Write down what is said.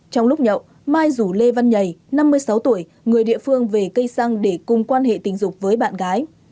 trong lúc nhậu mai rủ lê văn nhầy năm mươi sáu tuổi người địa phương về cây xăng để cùng quan hệ tình dục với bạn gái